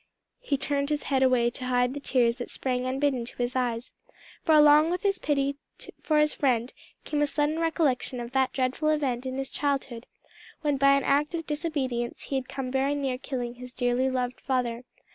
He turned his head away to hide the tears that sprang unbidden to his eyes, for along with his pity for his friend came a sudden recollection of that dreadful event in his childhood when by an act of disobedience he had come very near killing his dearly loved father.